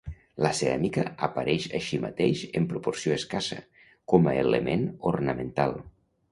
La ceràmica apareix així mateix, en proporció escassa, com a element ornamental.